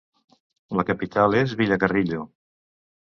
La capital es Villacarrillo.